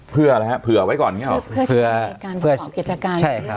เพื่ออะไรฮะเผื่อไว้ก่อนเนี่ยหรอ